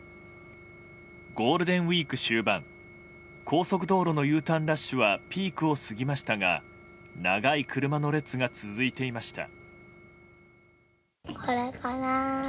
高速道路のＵターンラッシュはピークを過ぎましたが長い車の列が続いていました。